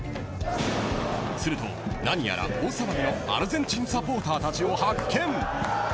するとなにやら大騒ぎのアルゼンチンサポーターたちを発見。